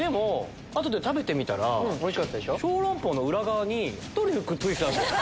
後で食べてみたら小籠包の裏側にトリュフくっついてたんです